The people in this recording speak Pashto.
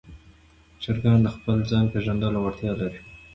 چرګان د خپل ځای پېژندلو وړتیا لري.